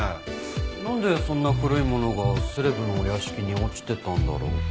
なんでそんな古いものがセレブのお屋敷に落ちてたんだろう？